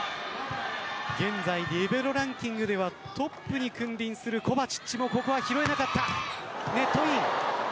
現在リベロランキングではトップに君臨するコバチッチもここは拾えなかった。